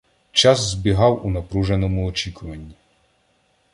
Час збігав у напруженому очікуванні.